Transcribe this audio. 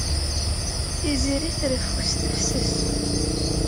Tiziri treffu s tefses.